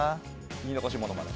言い残しものまね。